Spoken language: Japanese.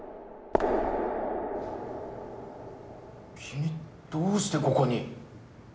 君どうしてここに？